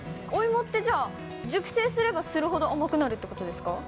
お芋って、じゃあ、熟成すればするほど、甘くなるってことですか？